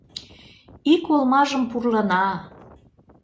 Ик олмажым пурлына